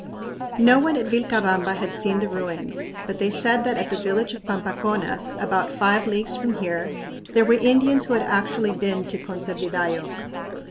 No one at Vilcabamba had seen the ruins, but they said that at the village of Pampaconas, "about five leagues from here," there were Indians who had actually been to Conservidayoc.